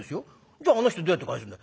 「じゃああの人どうやって帰すんだよ？」。